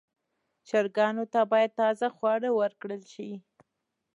چرګانو ته باید تازه خواړه ورکړل شي.